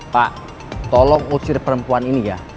pak tolong ucir perempuan ini ya